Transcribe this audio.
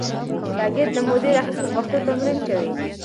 شاګرد له مودې راهیسې په پښتو تمرین کوي.